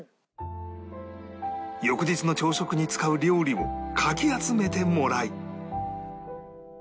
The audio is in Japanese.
翌日の朝食に使う料理をかき集めてもらい